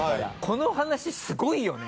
この話すごいよね！